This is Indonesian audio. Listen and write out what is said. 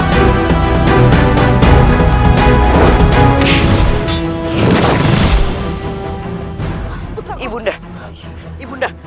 tolong lepaskan ibu undah